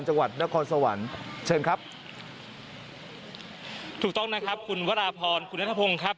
จังหวัดนครสวรรค์เชิญครับถูกต้องนะครับคุณวราพรคุณนัทพงศ์ครับ